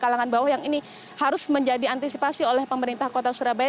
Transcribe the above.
kalangan bawah yang ini harus menjadi antisipasi oleh pemerintah kota surabaya